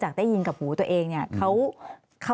แต่ได้ยินจากคนอื่นแต่ได้ยินจากคนอื่น